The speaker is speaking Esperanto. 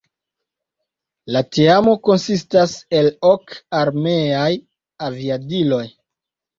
La teamo konsistas el ok armeaj aviadiloj.